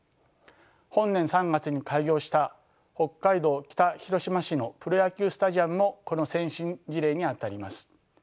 本年３月に開業した北海道北広島市のプロ野球スタジアムもこの先進事例にあたります。